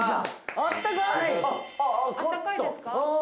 あったかいですか？